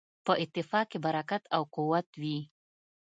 په اتفاق کې برکت او قوت وي.